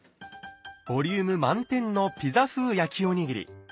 ボリューム満点の「ピザ風焼きおにぎり」。